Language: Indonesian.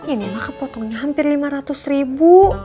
ini mah kepotongnya hampir rp lima ratus